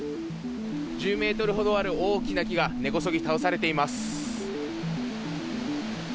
１０ｍほどある大きな木が根こそぎ倒されています。